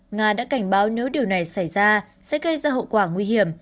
nga đã cảnh báo nếu điều này xảy ra sẽ gây ra hậu quả nguy hiểm